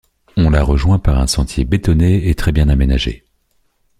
On la rejoint par un sentier bétonné et très bien aménagé.